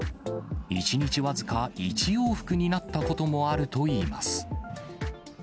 １日僅か１往復になったこともあるといいます。